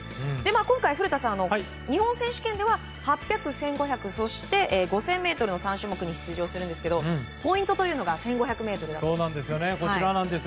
今回、日本選手権では８００、１５００そして５０００ｍの３種目に出場するんですがポイントというのが１５００ｍなんです。